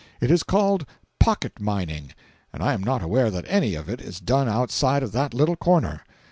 It is called "pocket mining" and I am not aware that any of it is done outside of that little corner.